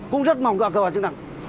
cũng rất mỏng cơ bản chức năng